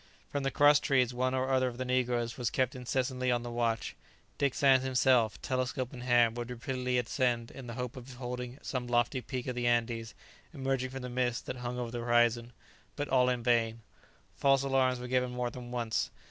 From the cross trees one or other of the negroes was kept incessantly on the watch. Dick Sands himself, telescope in hand, would repeatedly ascend in the hope of beholding some lofty peak of the Andes emerging from the mists that hung over the horizon. But all in vain. False alarms were given more than once.